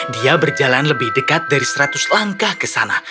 dia berjalan lebih dekat dari seratus langkah ke sana